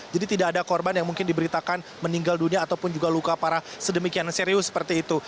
jadi tidak ada korban yang mungkin diberitakan meninggal dunia ataupun juga luka parah sedemikian serius seperti itu